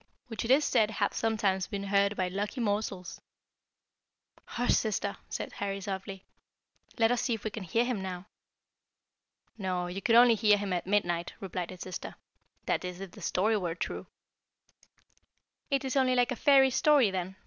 which it is said have sometimes been heard by lucky mortals." "Hush, sister," said Harry softly; "let us see if we can hear him now." "No, you could only hear him at midnight," replied his sister "that is, if the story were true." "It is only like a fairy story, then?"